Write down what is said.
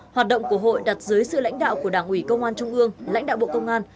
hoạt động của hội đặt dưới sự lãnh đạo của đảng ủy công an trung ương lãnh đạo bộ công an